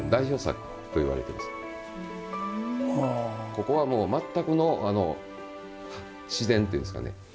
ここはもう全くの自然と言うんですかね